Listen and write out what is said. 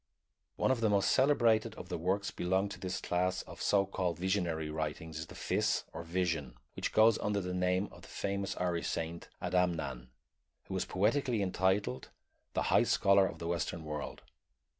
One of the most celebrated of the works belonging to this class of so called "visionary" writings is the Fis or "Vision" which goes under the name of the famous Irish saint, Adamnan, who was poetically entitled the "High Scholar of the Western World."